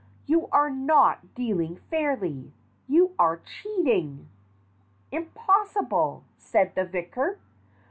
You are not dealing fairly. You are cheating!" "Impossible!" said the vicar.